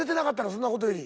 そんなことより。